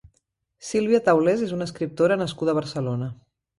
Silvia Taulés és una escriptora nascuda a Barcelona.